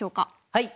はい。